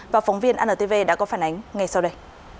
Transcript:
và phóng viên antv đã có phản ánh ngay sau đây